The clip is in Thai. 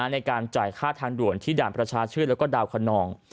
ในการจ่ายค่าทางด่วนที่ด่านประชาชื่นแล้วก็ดาวคนนอง